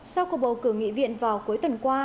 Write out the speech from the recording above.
sau cuộc bầu cử nghị viện vào cuối tuần qua